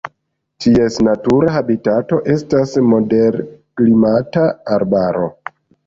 Ties natura habitato estas moderklimata arbaro.